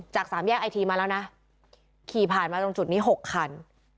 สามแยกไอทีมาแล้วนะขี่ผ่านมาตรงจุดนี้๖คัน